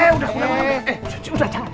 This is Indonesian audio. eh udah udah jangan